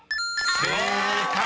［正解！